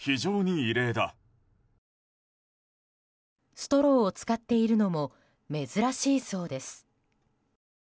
ストローを使っているのも珍しいそうです。